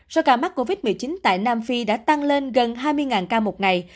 số ca mắc covid một mươi chín tại nam phi đã tăng lên gần hai mươi ca một ngày